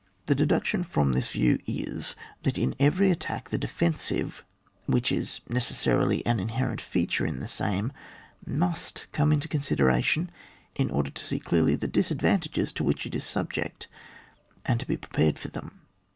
The deduction from this view is, that in every attack the defensive, which is ne cessarily an inherent feature in the same, must come into consideration, in order to Bee clearly the disadvantages to which it is subject, and to be prepared for them.